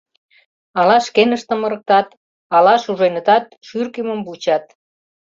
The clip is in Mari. Ала шкеныштым ырыктат, ала шуженытат, шӱр кӱмым вучат.